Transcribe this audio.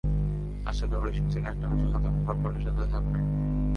আসলে অডিশন ছিল একটা অজুহাত, ওম কাপুর এর সাথে দেখা করার।